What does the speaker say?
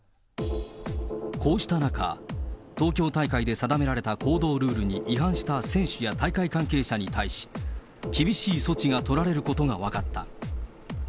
こうした中、東京大会で定められた行動ルールに違反した選手や大会関係者に対し、厳しい措置が取られることが分かった。